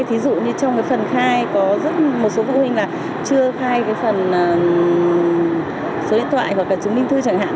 thí dụ như trong cái phần khai có rất một số phụ huynh là chưa khai cái phần số điện thoại hoặc là chứng minh thư chẳng hạn